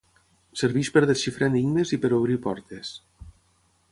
Serveix per desxifrar enigmes i per obrir portes.